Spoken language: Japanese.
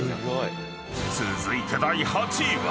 ［続いて第８位は］